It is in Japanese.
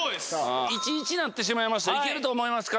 １１になってしまいましたいけると思いますか？